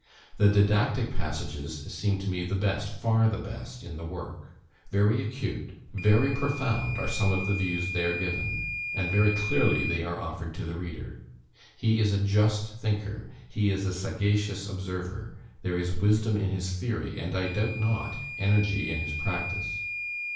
... The didactic passages seem to me the best far the best in the work; very acute, very profound, are some of the views there given, and very clearly they are offered to the reader. He is a just thinker; he is a sagacious observer; there is wisdom in his theory, and, I doubt not, energy in his practice.